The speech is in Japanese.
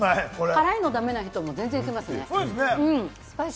辛いの駄目な人もいけますね。